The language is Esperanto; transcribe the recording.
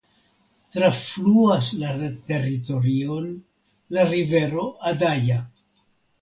Trafluas la teritorion la rivero Adaja.